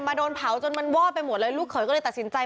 โดนเผาจนมันวอดไปหมดเลยลูกเขยก็เลยตัดสินใจ